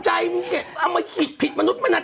ใจมันแบบเอามาหิตผิดมนุษย์แล้วนะ